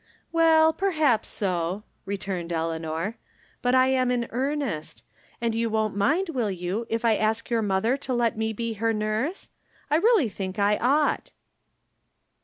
" Well, perhaps so," returned Eleanor. " But I am in earnest ; and you won't mind, will you, if I ask your mother to let me be her nurse ? I really think I ought."